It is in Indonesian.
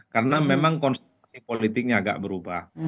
karena memang konsentrasi politiknya agak berubah